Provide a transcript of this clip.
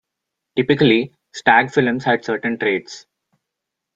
Typically, stag films had certain traits.